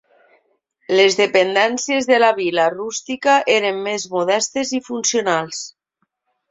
Les dependències de la vil·la rústica eren més modestes i funcionals.